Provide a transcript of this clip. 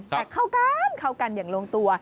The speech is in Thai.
แต่เข้ากันเข้ากันอย่างลงตัว